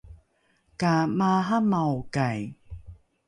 ka maaramaokai